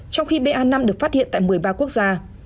trong khi ba năm được phát hiện tại một mươi ba quốc gia